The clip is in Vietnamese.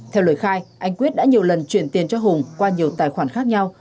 theo lời khai anh quyết đã nhiều lần chuyển tiền cho hùng qua nhiều tài khoản khác nhau